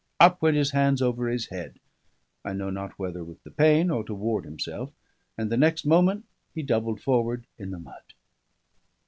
Up went his hands over his head I know not whether with the pain or to ward himself; and the next moment he doubled forward in the mud.